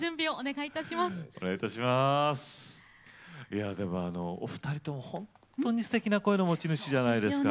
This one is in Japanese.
いやでもお二人ともほんとにすてきな声の持ち主じゃないですか。